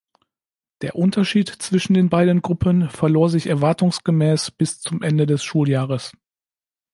Der Unterschied zwischen den beiden Gruppen verlor sich erwartungsgemäß bis zum Ende des Schuljahres.